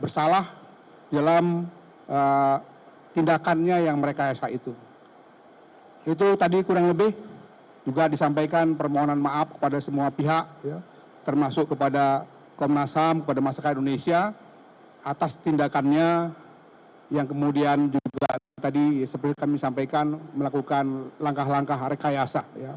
saya ingin mengucapkan permohonan maaf kepada semua pihak termasuk kepada komnas ham kepada masyarakat indonesia atas tindakannya yang kemudian juga tadi seperti kami sampaikan melakukan langkah langkah rekayasa